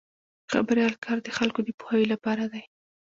د خبریال کار د خلکو د پوهاوي لپاره دی.